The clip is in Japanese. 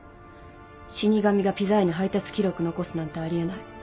死神がピザ屋に配達記録残すなんてあり得ない。